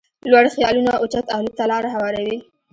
لوړ خيالونه اوچت الوت ته لاره هواروي.